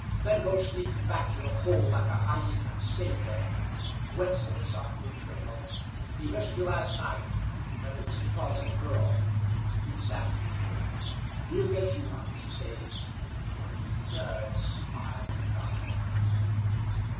"Then go sneaking back to your hole like a hyena, and stay there. Wetzel is on your trail! He missed you last night; but it was because of the girl. He's after you, Girty; he'll get you one of these days, and when he does My God!